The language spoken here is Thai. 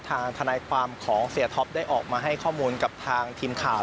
ทนายความของเสียท็อปได้ออกมาให้ข้อมูลกับทางทีมข่าว